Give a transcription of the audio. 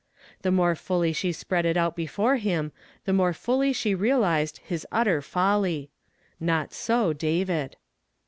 Thu more fully she spread it out before him, the mr)re fully she realized his utter folly. Not so David.